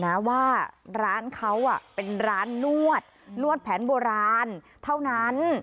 ของร้านเขาก็บอกเลยนะว่าร้านเขาอ่ะเป็นร้านนวดนวดแผนโบราณเท่านั้น